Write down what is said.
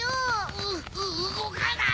うごかない。